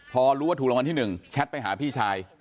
พอรู้ว่าถูกรางวัลที่๑แชทไปหาพี่ชาย